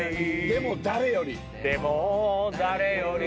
「でも誰より」